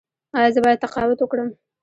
ایا زه باید تقاعد وکړم؟